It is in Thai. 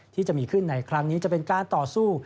ที่จะมีขึ้นในครั้งนี้จะเป็นการต่อสู้